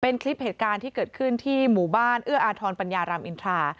เป็นคลิปเหตุการณ์ที่เกิดขึ้นที่หมู่บ้านเอื้ออาทรปัญญารามอินทรา